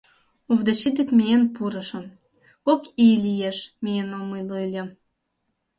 — Овдачи дек миен пурышым; кок ий лиеш, миен омыл ыле.